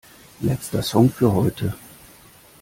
Letzter Song für heute!